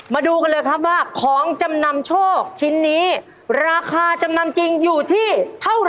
มาดูกันเลยครับว่าของจำนำโชคชิ้นนี้ราคาจำนำจริงอยู่ที่เท่าไห